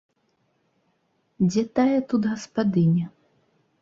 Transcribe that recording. Дзе тая тут гаспадыня?